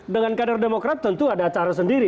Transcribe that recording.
dengan kader demokrat tentu ada acara sendiri